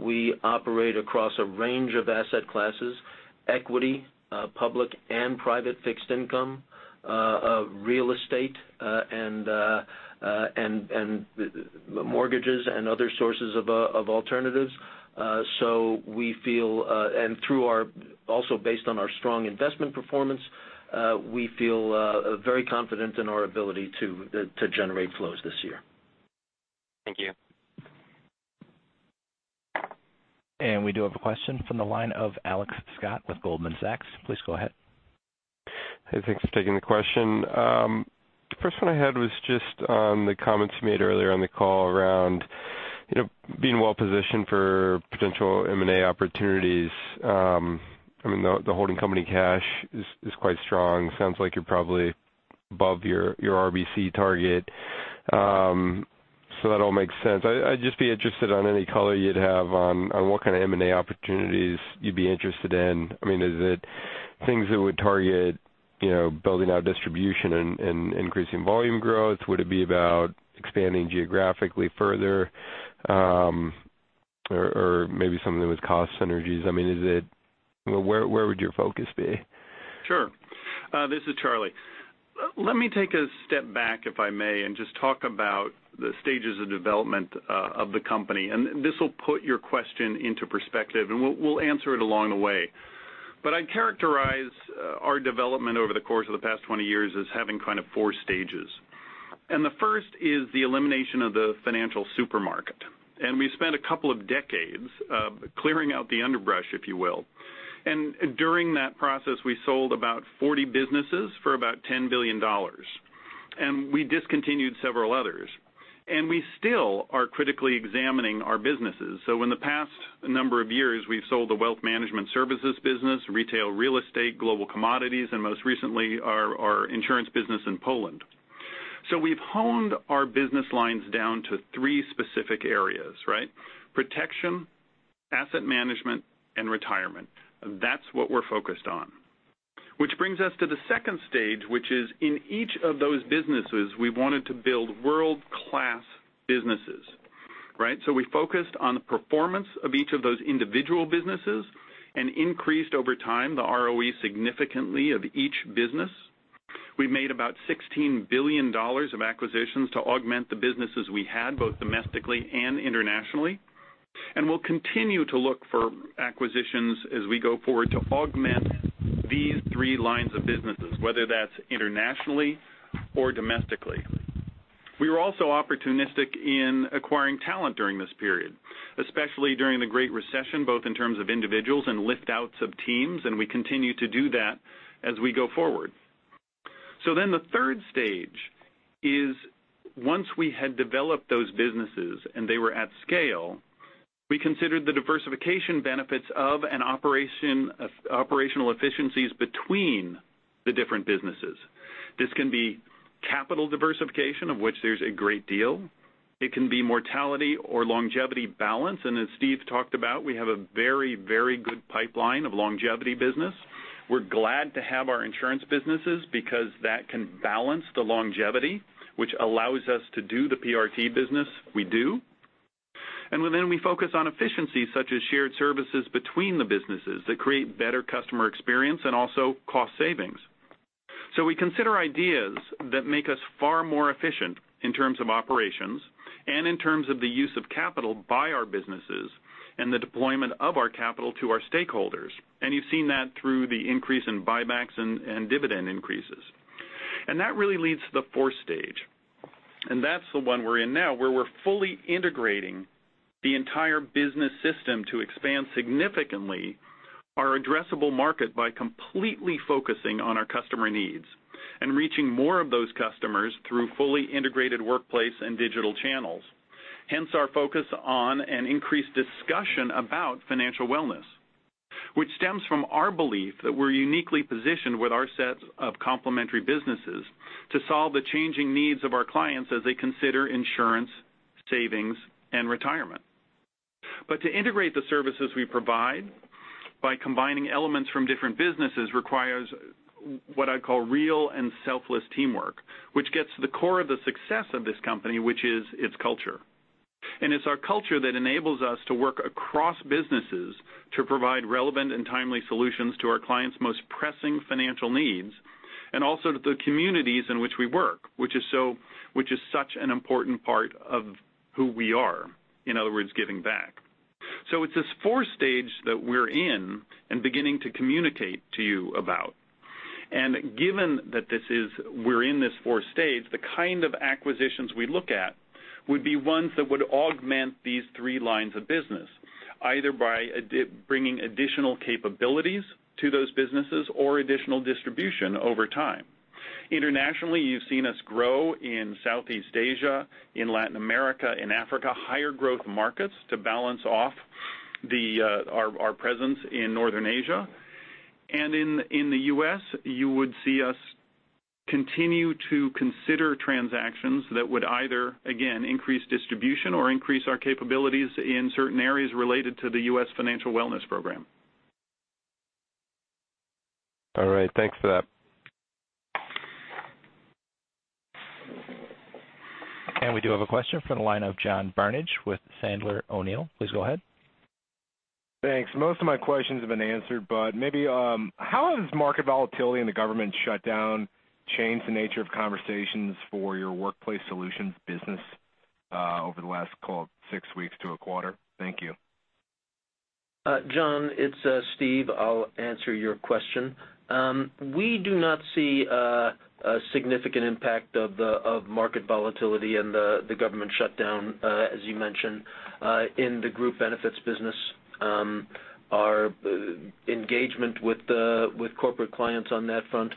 Speaker 7: we operate across a range of asset classes, equity, public and private fixed income, real estate, and mortgages and other sources of alternatives. Based on our strong investment performance, we feel very confident in our ability to generate flows this year.
Speaker 11: Thank you.
Speaker 1: We do have a question from the line of Alex Scott with Goldman Sachs. Please go ahead.
Speaker 12: Thanks for taking the question. First one I had was just on the comments you made earlier on the call around being well-positioned for potential M&A opportunities. I mean, the holding company cash is quite strong. Sounds like you're probably above your RBC target. That all makes sense. I'd just be interested on any color you'd have on what kind of M&A opportunities you'd be interested in. Is it things that would target building out distribution and increasing volume growth? Would it be about expanding geographically further? Maybe something with cost synergies? Where would your focus be?
Speaker 3: Sure. This is Charlie. Let me take a step back, if I may, and just talk about the stages of development of the company, and this will put your question into perspective, and we'll answer it along the way. I'd characterize our development over the course of the past 20 years as having kind of four stages. The first is the elimination of the financial supermarket. We spent a couple of decades clearing out the underbrush, if you will. During that process, we sold about 40 businesses for about $10 billion. We discontinued several others. We still are critically examining our businesses. In the past number of years, we've sold the wealth management services business, retail real estate, global commodities, and most recently, our insurance business in Poland. So we've honed our business lines down to three specific areas, right? Protection, asset management, and retirement. That's what we're focused on. Which brings us to the second stage, which is in each of those businesses, we wanted to build world-class businesses, right? We focused on the performance of each of those individual businesses and increased over time the ROE significantly of each business. We made about $16 billion of acquisitions to augment the businesses we had, both domestically and internationally. We'll continue to look for acquisitions as we go forward to augment these three lines of businesses, whether that's internationally or domestically. We were also opportunistic in acquiring talent during this period, especially during the Great Recession, both in terms of individuals and lift-outs of teams, and we continue to do that as we go forward. The third stage is once we had developed those businesses and they were at scale, we considered the diversification benefits of an operational efficiencies between the different businesses. This can be capital diversification, of which there's a great deal. It can be mortality or longevity balance, and as Steve talked about, we have a very, very good pipeline of longevity business. We're glad to have our insurance businesses because that can balance the longevity, which allows us to do the PRT business we do. We focus on efficiencies such as shared services between the businesses that create better customer experience and also cost savings. We consider ideas that make us far more efficient in terms of operations and in terms of the use of capital by our businesses and the deployment of our capital to our stakeholders. You've seen that through the increase in buybacks and dividend increases. That really leads to the fourth stage. That's the one we're in now, where we're fully integrating the entire business system to expand significantly our addressable market by completely focusing on our customer needs and reaching more of those customers through fully integrated workplace and digital channels. Hence our focus on an increased discussion about financial wellness, which stems from our belief that we're uniquely positioned with our sets of complementary businesses to solve the changing needs of our clients as they consider insurance, savings, and retirement. To integrate the services we provide by combining elements from different businesses requires what I call real and selfless teamwork, which gets to the core of the success of this company, which is its culture. It's our culture that enables us to work across businesses to provide relevant and timely solutions to our clients' most pressing financial needs. Also to the communities in which we work, which is such an important part of who we are. In other words, giving back. It's this stage 4 that we're in and beginning to communicate to you about. Given that we're in this stage 4, the kind of acquisitions we look at would be ones that would augment these three lines of business, either by bringing additional capabilities to those businesses or additional distribution over time. Internationally, you've seen us grow in Southeast Asia, in Latin America, in Africa, higher growth markets to balance off our presence in Northern Asia. In the U.S., you would see us continue to consider transactions that would either, again, increase distribution or increase our capabilities in certain areas related to the U.S. Financial Wellness program.
Speaker 12: All right. Thanks for that.
Speaker 1: We do have a question from the line of John Barnidge with Sandler O'Neill. Please go ahead.
Speaker 13: Thanks. Most of my questions have been answered, but maybe how has market volatility and the government shutdown changed the nature of conversations for your Workplace Solutions business, over the last, call it, six weeks to a quarter? Thank you.
Speaker 7: John, it's Steve. I'll answer your question. We do not see a significant impact of market volatility and the government shutdown, as you mentioned, in the group benefits business. Our engagement with corporate clients on that front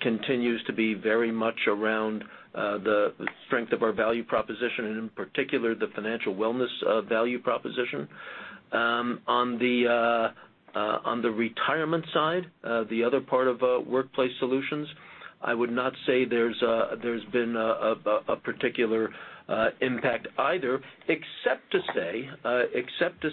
Speaker 7: continues to be very much around the strength of our value proposition and in particular, the financial wellness value proposition. On the retirement side, the other part of Workplace Solutions, I would not say there's been a particular impact either. Except to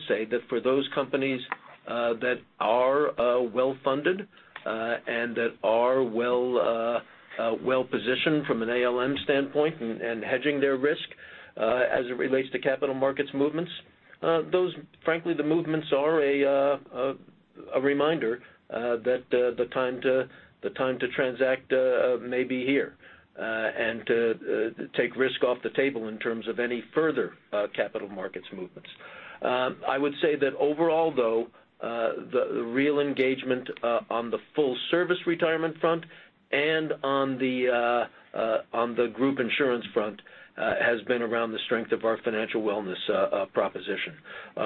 Speaker 7: say that for those companies that are well-funded and that are well positioned from an ALM standpoint and hedging their risk as it relates to capital markets movements, frankly, the movements are a reminder that the time to transact may be here and to take risk off the table in terms of any further capital markets movements. I would say that overall, though, the real engagement on the full service retirement front and on the group insurance front has been around the strength of our financial wellness proposition.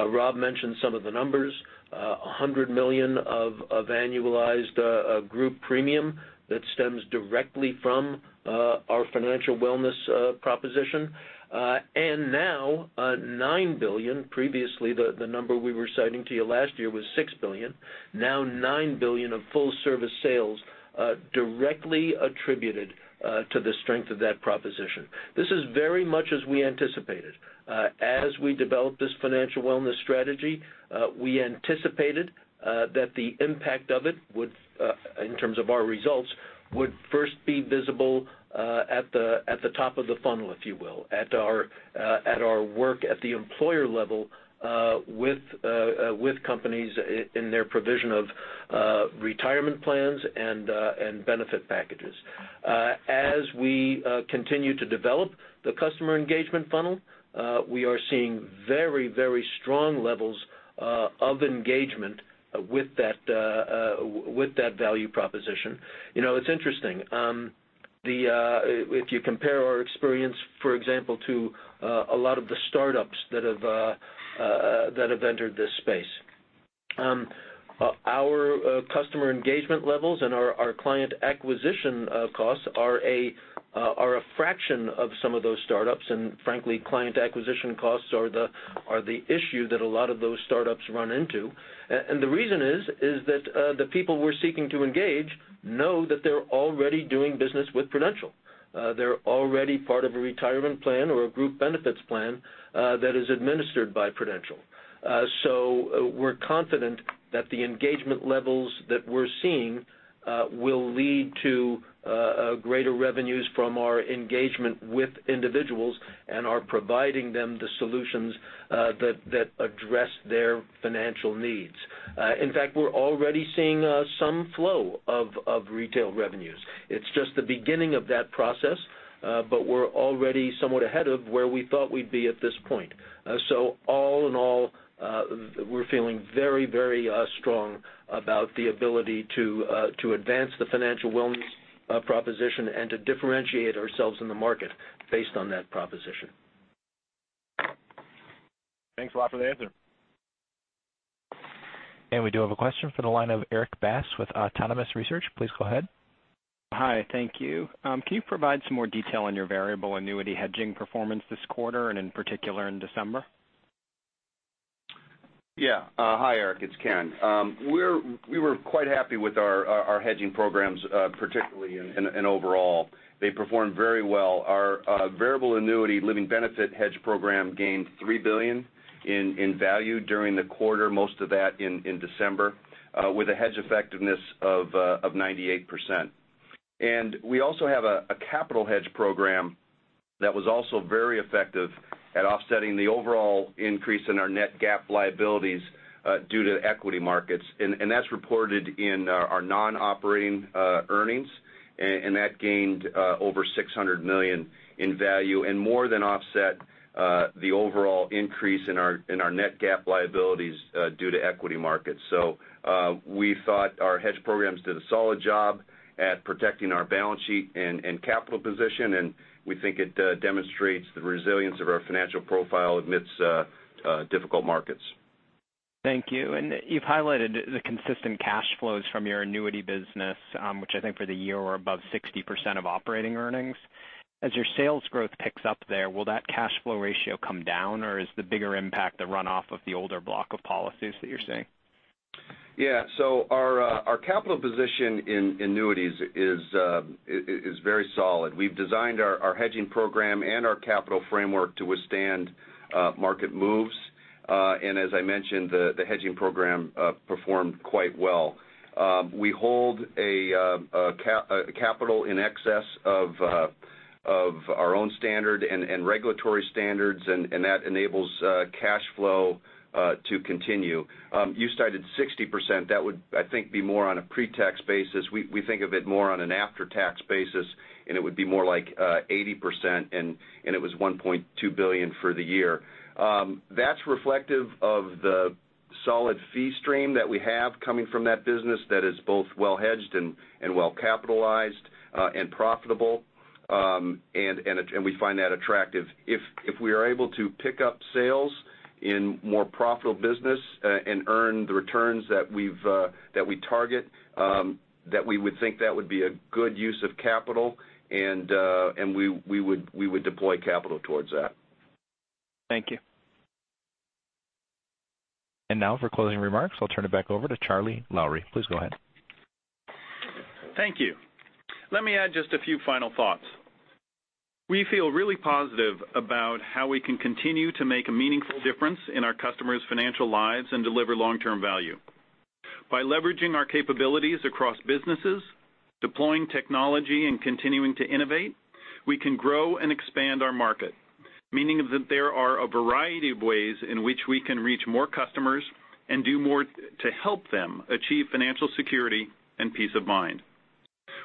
Speaker 7: Rob mentioned some of the numbers, $100 million of annualized group premium that stems directly from our financial wellness proposition. Now, $9 billion, previously the number we were citing to you last year was $6 billion, now $9 billion of full service sales directly attributed to the strength of that proposition. This is very much as we anticipated. As we developed this financial wellness strategy, we anticipated that the impact of it, in terms of our results, would first be visible at the top of the funnel, if you will, at our work at the employer level with companies in their provision of retirement plans and benefit packages. As we continue to develop the customer engagement funnel, we are seeing very, very strong levels of engagement with that value proposition. It's interesting, if you compare our experience, for example, to a lot of the startups that have entered this space. Our customer engagement levels and our client acquisition costs are a fraction of some of those startups, and frankly, client acquisition costs are the issue that a lot of those startups run into. The reason is that the people we're seeking to engage know that they're already doing business with Prudential. They're already part of a retirement plan or a group benefits plan that is administered by Prudential. We're confident that the engagement levels that we're seeing will lead to greater revenues from our engagement with individuals and are providing them the solutions that address their financial needs. In fact, we're already seeing some flow of retail revenues. It's just the beginning of that process, but we're already somewhat ahead of where we thought we'd be at this point. All in all, we're feeling very, very strong about the ability to advance the financial wellness proposition and to differentiate ourselves in the market based on that proposition.
Speaker 13: Thanks a lot for the answer.
Speaker 1: We do have a question from the line of Erik Bass with Autonomous Research. Please go ahead.
Speaker 14: Hi. Thank you. Can you provide some more detail on your variable annuity hedging performance this quarter and in particular in December?
Speaker 5: Yeah. Hi, Erik. It's Ken. We were quite happy with our hedging programs, particularly and in overall. They performed very well. Our variable annuity living benefit hedge program gained $3 billion in value during the quarter, most of that in December, with a hedge effectiveness of 98%. We also have a capital hedge program That was also very effective at offsetting the overall increase in our net GAAP liabilities due to equity markets. That's reported in our non-operating earnings, and that gained over $600 million in value and more than offset the overall increase in our net GAAP liabilities due to equity markets. We thought our hedge programs did a solid job at protecting our balance sheet and capital position, and we think it demonstrates the resilience of our financial profile amidst difficult markets.
Speaker 14: Thank you. You've highlighted the consistent cash flows from your annuity business, which I think for the year were above 60% of operating earnings. As your sales growth picks up there, will that cash flow ratio come down, or is the bigger impact the runoff of the older block of policies that you're seeing?
Speaker 5: Yeah. Our capital position in annuities is very solid. We've designed our hedging program and our capital framework to withstand market moves. As I mentioned, the hedging program performed quite well. We hold a capital in excess of our own standard and regulatory standards, and that enables cash flow to continue. You cited 60%. That would, I think, be more on a pre-tax basis. We think of it more on an after-tax basis, and it would be more like 80%, and it was $1.2 billion for the year. That's reflective of the solid fee stream that we have coming from that business that is both well hedged and well capitalized and profitable, and we find that attractive. If we are able to pick up sales in more profitable business, and earn the returns that we target, that we would think that would be a good use of capital, and we would deploy capital towards that.
Speaker 14: Thank you.
Speaker 1: Now for closing remarks, I'll turn it back over to Charles Lowrey. Please go ahead.
Speaker 3: Thank you. Let me add just a few final thoughts. We feel really positive about how we can continue to make a meaningful difference in our customers' financial lives and deliver long-term value. By leveraging our capabilities across businesses, deploying technology, and continuing to innovate, we can grow and expand our market, meaning that there are a variety of ways in which we can reach more customers and do more to help them achieve financial security and peace of mind.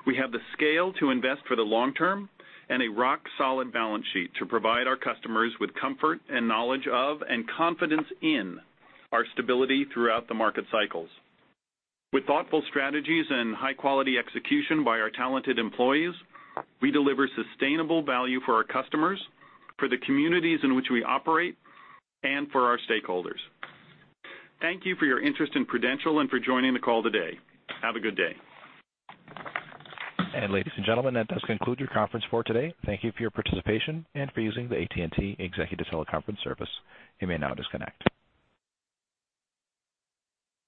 Speaker 3: We have the scale to invest for the long term and a rock-solid balance sheet to provide our customers with comfort and knowledge of and confidence in our stability throughout the market cycles. With thoughtful strategies and high-quality execution by our talented employees, we deliver sustainable value for our customers, for the communities in which we operate, and for our stakeholders. Thank you for your interest in Prudential and for joining the call today. Have a good day.
Speaker 1: Ladies and gentlemen, that does conclude your conference for today. Thank you for your participation and for using the AT&T Executive Teleconference service. You may now disconnect.